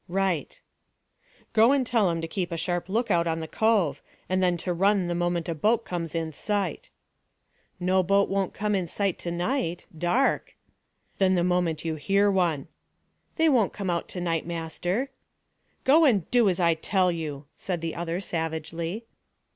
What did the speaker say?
"Right." "Go and tell 'em to keep a sharp look out in the cove, and then to run the moment a boat comes in sight." "No boat won't come in sight to night. Dark." "Then the moment you hear one." "They won't come to night, master." "Go and do as I tell you," said the other savagely.